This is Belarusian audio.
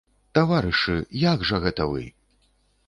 Таварышы, як жа гэта вы?